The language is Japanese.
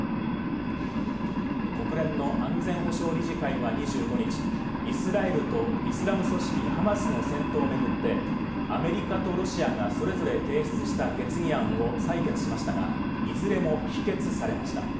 国連の安全保障理事会は２５日、イスラエルとイスラム組織ハマスの戦闘を巡って、アメリカとロシアがそれぞれ提出した決議案を採決しましたが、いずれも否決されました。